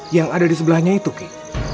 yang ada di sebelahnya itu kim